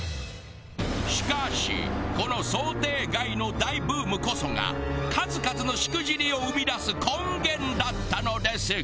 しかしこの想定外の大ブームこそが数々のしくじりを生み出す根源だったのです。